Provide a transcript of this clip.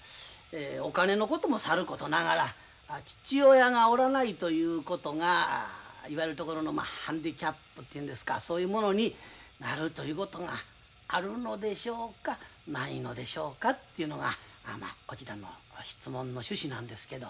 お金のこともさることながら父親がおらないということがいわゆるところのまあハンディキャップというんですかそういうものになるということがあるのでしょうかないのでしょうかというのがまあこちらの質問の趣旨なんですけど。